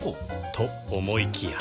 と思いきや